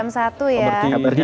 berarti dini hari ya